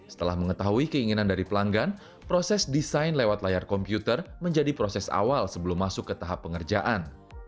setelah mengetahui keinginan dari pelanggan proses desain lewat layar komputer menjadi proses awal sebelum masuk ke tahap pengerjaan